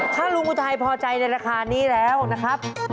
ถ้าลุงอุทัยพอใจในราคานี้แล้วนะครับ